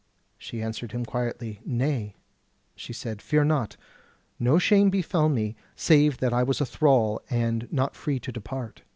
She answered him quietly: "Nay," she said, "fear not! no shame befell me, save that I was a thrall and not free to depart.